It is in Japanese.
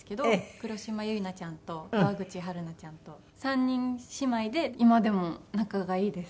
黒島結菜ちゃんと川口春奈ちゃんと３人姉妹で今でも仲がいいです。